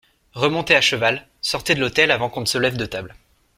Remontez à cheval, sortez de l'hôtel avant qu'on ne se lève de table.